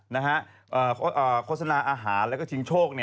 นะฮะโษนาอาหารแล้วก็ชิงโชคนี่